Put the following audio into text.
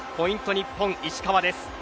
日本、石川です。